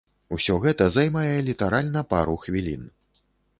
Усё гэта займае літаральна пару хвілін.